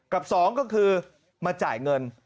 กับสองก็คือมาจ่ายเงิน